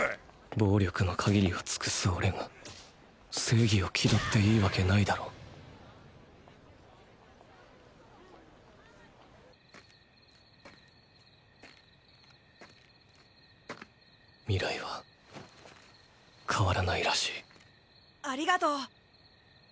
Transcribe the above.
暴力の限りを尽くすオレが正義を気取っていいわけないだろ未来は変わらないらしいアリガトウ！